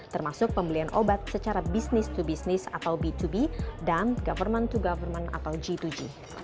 termasuk pembelian obat secara business to business atau b dua b dan government to government atau g dua g